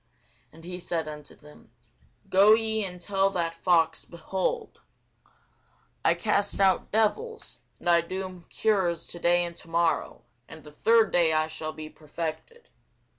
And he said unto them, Go ye, and tell that fox, Behold, I cast out devils, and I do cures to day and to morrow, and the third day I shall be perfected.